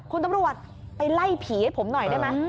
คุณตำรวจไปไล่ผีให้ผมหน่อยได้ไหม